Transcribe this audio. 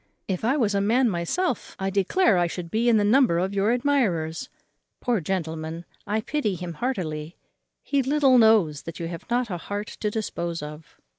If I was a man myself, I declare I should be in the number of your admirers. Poor gentleman, I pity him heartily; he little knows that you have not a heart to dispose of.